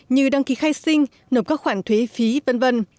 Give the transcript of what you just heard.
như đăng ký khai sinh nộp các khoản thuế phí v v